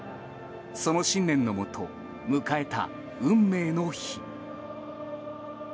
その信念のもと迎えた運命の日。